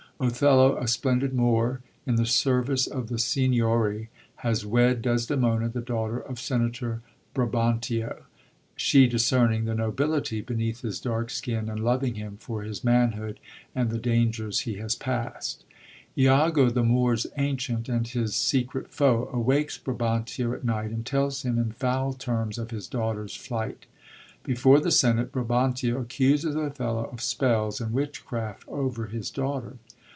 Othello, a splendid Moor in the service ot the sig^iory, has wed Desdemona, the daughter of Senator Brabantio, she discerning the nobility beneath his dark skin, and loving him for his manhood and the dangers he has past. lago, the Moor*s ancient, and his secret foe, awakes Brabantio at night, and tells him in foul terms of his daughter's flight. Before the Senate, Brabantio accuses Othello of spells and witchcraft over his daughter.